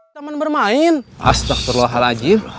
teman bermain astaghfirullahaladzim